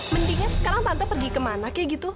mendingan sekarang tante pergi kemana kayak gitu